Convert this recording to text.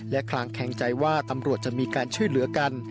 และคลางแข็งใจว่าตำรวจจะมีการช่วยเหลือกัน